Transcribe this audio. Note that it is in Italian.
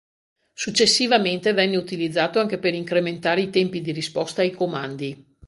Successivamente venne utilizzato anche per incrementare i tempi di risposta ai comandi.